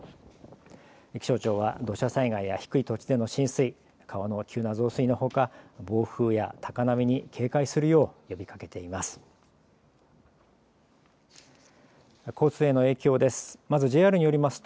気象庁は土砂災害や低い土地の浸水、川の急な増水のほか暴風や高波に警戒するよう呼びかけています。